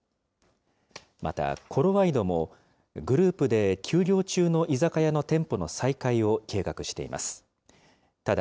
また、コロワイドもグループで休業中の居酒屋の店舗の再開を計画しています。